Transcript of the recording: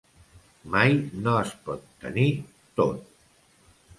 Mai no es pot tenir tot.